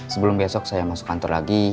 sebelum besok saya masuk kantor lagi